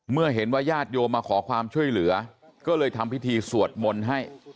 เมื่อเห็นว่าญาติโยมมาขอความช่วยเหลือก็เลยทำพิธีสวดมนต์ให้